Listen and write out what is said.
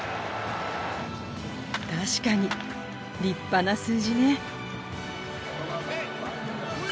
確かに立派な数字ね。